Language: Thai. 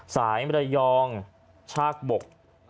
สายตรายองชากบก